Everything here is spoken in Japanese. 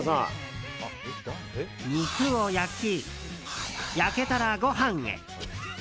肉を焼き、焼けたらご飯へ。